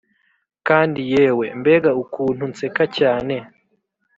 kandi yewe, mbega ukuntu nseka cyane